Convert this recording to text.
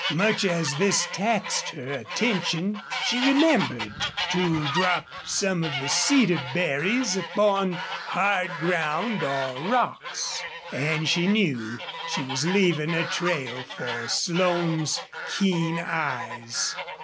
Much as this taxed her attention, she remembered to drop some of the cedar berries upon hard ground or rocks. And she knew she was leaving a trail for Slone's keen eyes.